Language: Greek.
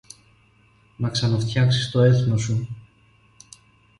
να ξαναφτιάξεις το έθνος σου.